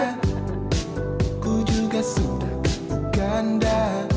ku juga sudah ke uganda